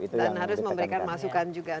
dan harus memberikan masukan juga